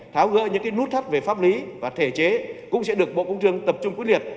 tháo gỡ những nút thắt về pháp lý và thể chế cũng sẽ được bộ công thương tập trung quyết liệt